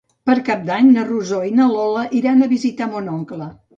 Per Cap d'Any na Rosó i na Lola iran a visitar mon oncle.